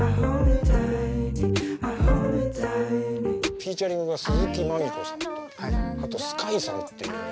フィーチャリングが鈴木真海子さんとあとＳｋａａｉさんっていうね